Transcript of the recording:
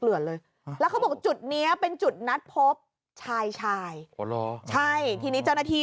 เลื่อนเลยรับจุดนี้เป็นมาถพชายใช่นิทิณราชี